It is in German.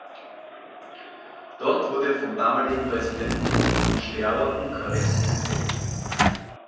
Dort wurde er vom damaligen Präsidenten von Steaua Bukarest entdeckt.